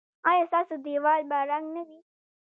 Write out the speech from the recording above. ایا ستاسو دیوال به رنګ نه وي؟